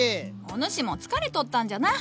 お主も疲れとったんじゃな。